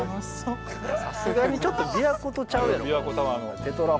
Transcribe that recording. さすがにちょっと琵琶湖とちゃうやろ。